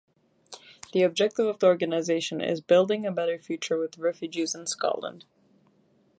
The objective of the organisation is 'building a better future with refugees in Scotland'.